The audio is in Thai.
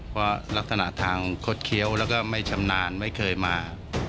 เพราะลักษณะทางคดเคี้ยวแล้วก็ไม่ชำนาญไม่เคยมา